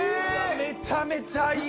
めちゃめちゃいい！